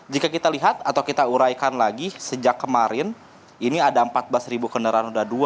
jika kita lihat atau kita uraikan lagi sejak kemarin ini ada empat belas kendaraan roda dua